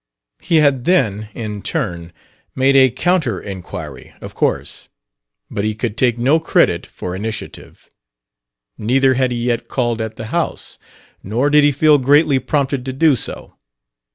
He had then, in turn, made a counter inquiry, of course; but he could take no credit for initiative. Neither had he yet called at the house; nor did he feel greatly prompted to do so.